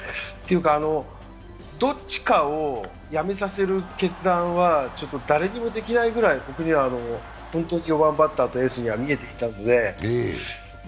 どっちかをやめさせる決断は誰にもできないぐらい、僕には本当に４番バッターとエースに見えていたので。